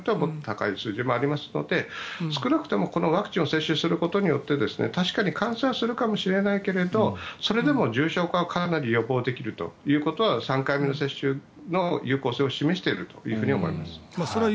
場合によっては高い数字がありますので少なくともワクチンを接種することで確かに感染はするかもしれないけれどそれでも重症化をかなり予防できるというのは３回目の接種の有効性を示していると思います。